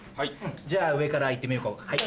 じゃあ上から行ってみようかはい。